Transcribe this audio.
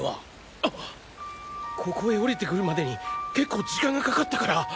あここへおりてくるまでに結構時間がかかったから。